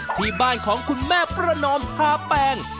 ที่บ้านของคุณแม่ประนอมพาแปง